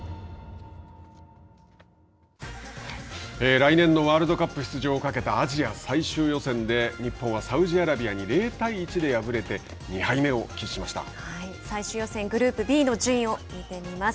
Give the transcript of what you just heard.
来年のワールドカップ出場を懸けたアジア最終予選で日本はサウジアラビアに０対１で敗れて最終予選グループＢの順位を見てみます。